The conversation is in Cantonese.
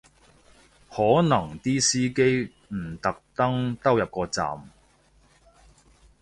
可能啲司機唔特登兜入個站